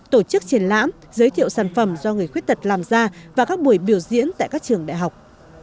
tổ chức triển lãm giới thiệu sản phẩm do người khuyết tật làm ra và các buổi biểu diễn tại các trường đại học